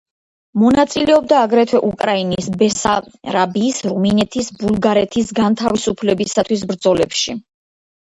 მონაწილეობდა აგრეთვე უკრაინის, ბესარაბიის, რუმინეთის, ბულგარეთის განთავისუფლებისათვის ბრძოლებში.